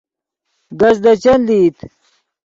کز دے چند لئیت